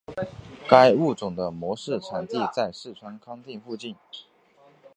该物种的模式产地在四川康定附近。